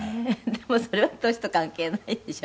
でも、それは年と関係ないでしょ？